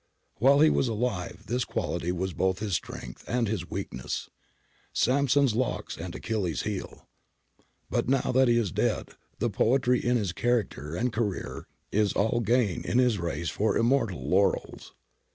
While he was alive this quality was both his strength and his weakness — Samson's locks and Achilles' heel. . But now that he is dead, the poetry in his character and career is all gain in his race for im mortal laurels.